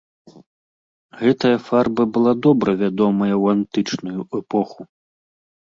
Гэтая фарба была добра вядомая ў антычную эпоху.